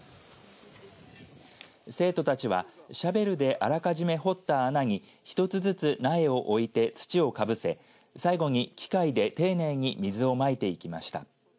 生徒たちはシャベルであらかじめ掘った穴に一つずつ苗を置いて土をかぶせ最後に機械で丁寧に水をまいていきました。